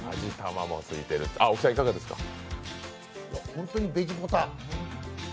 本当にベジポタ。